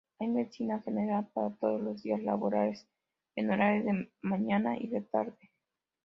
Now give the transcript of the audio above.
Hay medicina general todos los días laborales, en horario de mañana y de tarde.